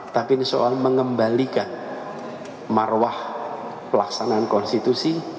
tapi ini soal mengembalikan marwah pelaksanaan konstitusi